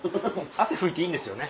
汗拭いていいんですよね？